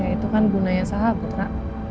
ya itu kan gunanya sahabat rara